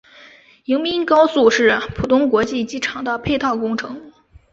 迎宾高速是浦东国际机场的配套工程。